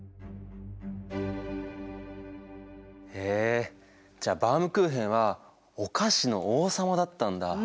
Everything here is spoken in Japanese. へえじゃあバウムクーヘンはお菓子の王様だったんだ。